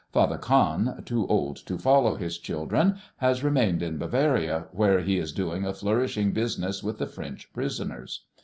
Father Cahn, too old to follow his children, has remained in Bavaria, where he is doing a flourishing business with the French prisoners.